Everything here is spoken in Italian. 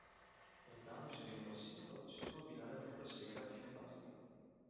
Trattandosi di un passito, si può abbinare a frutta secca, a fine pasti.